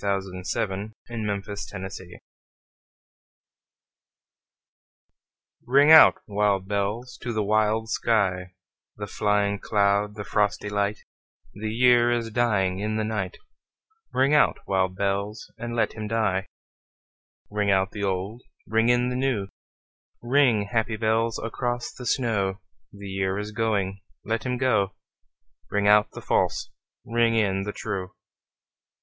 Alfred, Lord Tennyson Ring Out, Wild Bells RING out, wild bells, to the wild sky, The flying cloud, the frosty light; The year is dying in the night; Ring out, wild bells, and let him die. Ring out the old, ring in the new, Ring, happy bells, across the snow: The year is going, let him go; Ring out the false, ring in the true.